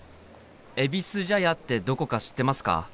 えびす茶屋ってどこか知ってますか？